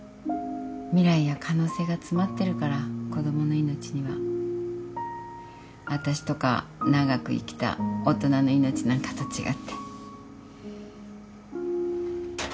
未来や可能性が詰まってるから子供の命には。あたしとか長く生きた大人の命なんかと違って。